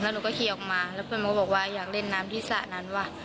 หนูก็ขี่ออกมาแล้วเพื่อนก็บอกว่าอยากเล่นน้ำที่สระนั้นว่ะ